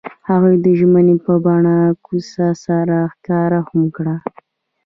هغوی د ژمنې په بڼه کوڅه سره ښکاره هم کړه.